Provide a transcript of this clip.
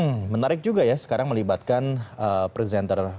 hmm menarik juga ya sekarang melibatkan presenter